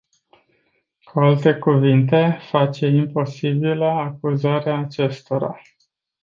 Cu alte cuvinte, face imposibilă acuzarea acestora.